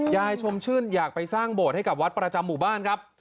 ยายชมชื่นอยากไปสร้างโบสถ์ให้กับวัดประจำหมู่บ้านครับ